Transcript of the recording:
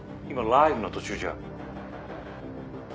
今ライブの途中じゃ。